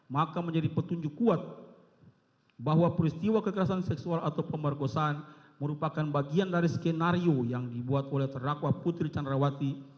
maka menjadi petunjuk kuat bahwa peristiwa kekerasan seksual atau pemerkosaan merupakan bagian dari skenario yang dibuat oleh terdakwa putri candrawati